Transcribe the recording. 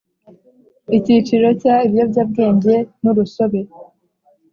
Icyiciro cya Ibiyobyabwenge n urusobe